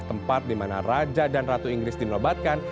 tempat dimana raja dan ratu inggris dinobatkan